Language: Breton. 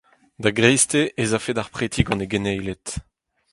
Da greisteiz ez afe d’ar preti gant e geneiled.